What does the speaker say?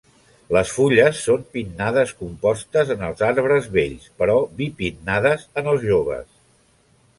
Les fulles són pinnades compostes en els arbres vells però bipinnades en els joves.